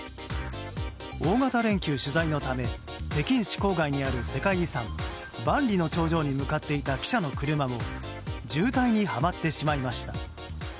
大型連休取材のため北京市郊外にある世界遺産、万里の長城に向かっていた記者の車も渋滞にはまってしまいました。